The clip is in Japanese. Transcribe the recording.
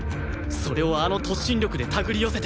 それをあの突進力でたぐり寄せてる！